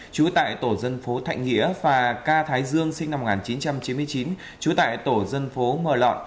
trú tại tổ dân phố thạnh nghĩa và ca thái dương sinh năm một nghìn chín trăm chín mươi chín trú tại tổ dân phố mờ lọn